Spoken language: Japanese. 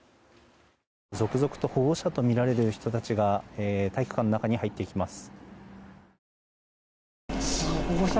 続々と保護者とみられる人たちが体育館の中に入っていきます。